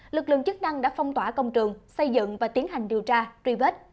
lực lượng chức năng đã phong tỏa công trường xây dựng và tiến hành điều tra truy vết